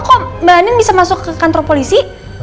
kok mbak anin bisa masuk ke kantor polisi